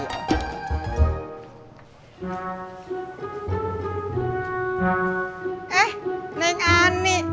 udah mau jalan